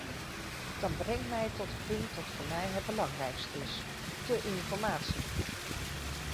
Dat brengt mij tot het punt dat voor mij het belangrijkst is: de informatie.